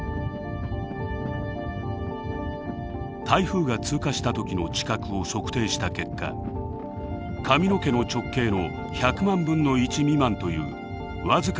台風が通過した時の地殻を測定した結果髪の毛の直径の１００万分の１未満という僅かなひずみを感知したのです。